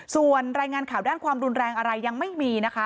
ส่วนรายงานข่าวด้านความรุนแรงอะไรยังไม่มีนะคะ